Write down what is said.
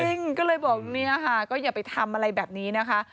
จริงก็เลยบอกเนี่ยค่ะก็อย่าไปทำอะไรแบบนี้นะคะ